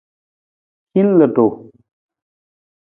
Hin ludu.